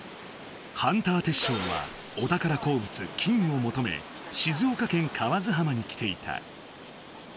ハンターテッショウはお宝鉱物金をもとめ静岡県河津浜に来ていた。